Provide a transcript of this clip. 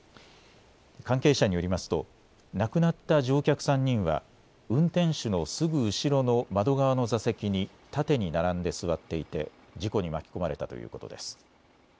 関係者によりますと亡くなった乗客３人は運転手のすぐ後ろの窓側の座席に縦に並んで座っていて事故に巻き込まれたということです。